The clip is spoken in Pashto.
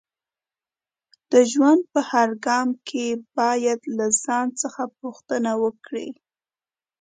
د ژوند په هر ګام کې باید له ځان څخه پوښتنه وکړئ